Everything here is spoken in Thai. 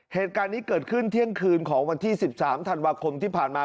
เหตุการณ์นี้เกิดขึ้นเที่ยงคืนของวันที่๑๓ธันวาคมที่ผ่านมา